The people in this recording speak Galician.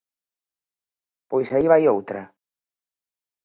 Pois aí vai outra.